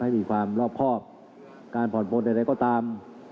มีความรอบครอบการผ่อนปนใดก็ตาม